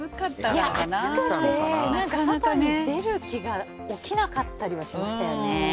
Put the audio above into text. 暑さで外に出る気が起きなかったりしましたよね。